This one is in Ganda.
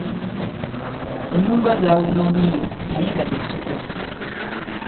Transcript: Ennumba zaawuuma nnyo naye nga tezisobola kufuluma.